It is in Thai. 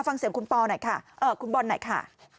ฟังเสียงคุณบอลหน่อยค่ะ